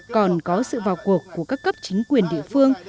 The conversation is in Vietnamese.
còn có sự vào cuộc của các cấp chính quyền địa phương